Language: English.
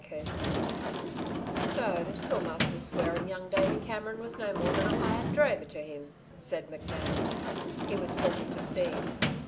CHAPTER XLI "So the Schoolmaster's swearin' young Davey Cameron was no more than a hired drover to him," said McNab. He was talking to Steve.